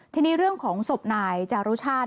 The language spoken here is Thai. ทีนี้เรื่องของศพนายจารุชาติ